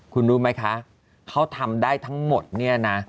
คุณรู้ไหมคะเขาทำได้ทั้งหมดเนี่ยนะ